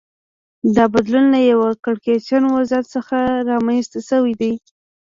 دا بدلون له یوه کړکېچن وضعیت څخه رامنځته شوی دی